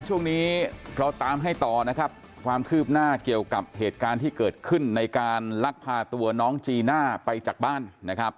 ช่วงนี้เราตามให้ต่อนะครับความคืบหน้าเกี่ยวกับเหตุการณ์ที่เกิดขึ้นในการลักพาตัวน้องจีน่าไปจากบ้านนะครับ